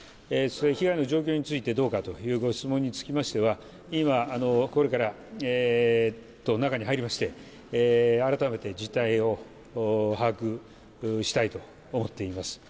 被害の状況についてどうかというご質問につきましては今、これから、中に入りまして改めて実態を把握したいと思っています。